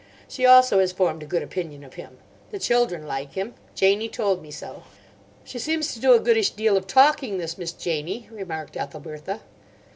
"She also has formed a good opinion of him. The children like him. Janie told me so." "She seems to do a goodish deal of talking, this Miss Janie," remarked Ethelbertha.